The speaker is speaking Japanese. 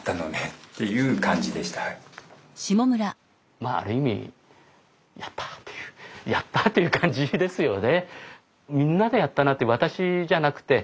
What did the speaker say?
まあある意味やった！っていうやった！っていう感じですよね。